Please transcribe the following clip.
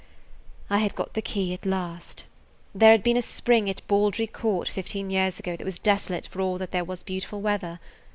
I had got the key at last. There had been a spring at Baldry Court fifteen years ago that was desolate for all that there was beautiful weather.